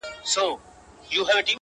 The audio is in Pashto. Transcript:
څه را مه که، زړه مي ازار مه که.